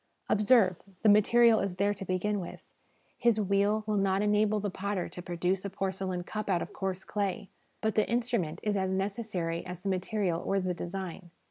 Observe, the material is there to begin with ; his wheel will not enable the potter to produce a porcelain cup out of coarse clay ; but the instrument is as necessary as the material or the design.